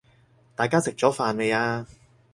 大家食咗飯未呀？